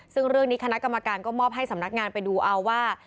ซึ่งเรื่องนี้คณะกรรมการก็มอบให้สำนักงานไปดูเอาว่า